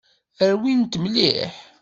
Rwimt-t mliḥ.